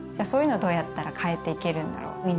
そういうのをどうやったら変えていけるんだろう。